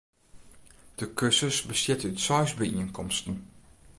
De kursus bestiet út seis byienkomsten.